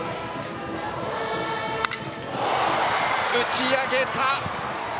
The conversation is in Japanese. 打ち上げた！